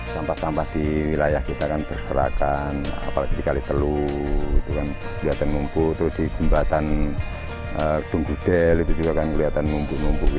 sampah sampah di wilayah kita kan berserakan apalagi di kaliteluh di jembatan bung gudel di jembatan mumpu mumpu